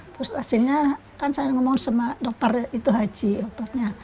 terus hasilnya kan saya ngomong sama dokter itu haji dokternya